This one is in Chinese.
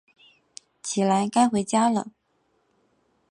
起来，该回家了